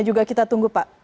kita juga tunggu pak